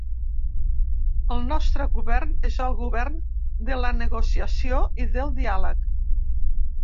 El nostre govern és el govern de la negociació i del diàleg.